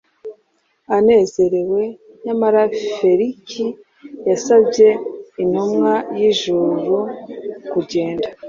anezerewe; nyamara Feliki yasabye Intumwa y’ijuru kugenda.